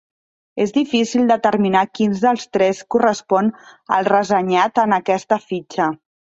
És difícil determinar quin dels tres correspon al ressenyat en aquesta fitxa.